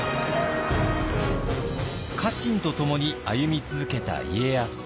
家臣とともに歩み続けた家康。